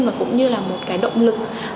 và cũng như là một cái động lực